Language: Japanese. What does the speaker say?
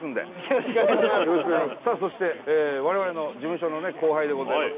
さあ、そして、我々の事務所のね、後輩でございます。